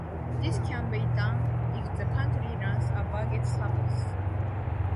This can be done if the country runs a budget surplus.